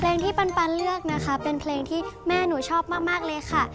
เพลงที่ปันเลือกนะคะเป็นเพลงที่แม่หนูชอบมากเลยค่ะ